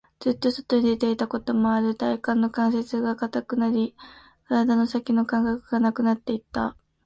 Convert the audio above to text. ずっと外に出ていたこともある。体中の関節が堅くなり、体の先の感覚がなくなっていた。